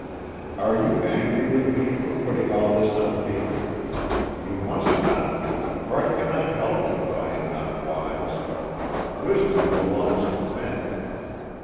"Are you angry with me for putting all this on paper? You must not be, for I cannot help it if I am not wise. Wisdom belongs to men.